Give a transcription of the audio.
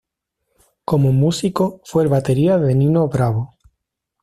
Como músico fue el batería de Nino Bravo.